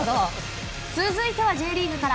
続いてはＪリーグから。